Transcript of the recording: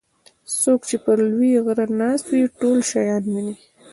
څوک چې پر لوی غره ناست وي ټول شیان ویني.